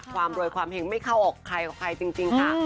ความโดยความเห็นไม่เข้าออกใครแก่ใครจริงจริงค่ะ